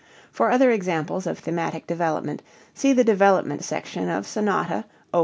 For other examples of thematic development see the development section of Sonata Op.